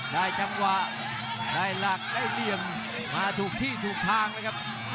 ได้จังหวะได้หลักได้เหลี่ยมมาถูกที่ถูกทางเลยครับ